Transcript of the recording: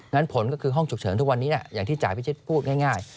ฉก็คือห้องฉุกเฉินทุกวันนี้อย่างที่จ่าพิชิตพูดง่าย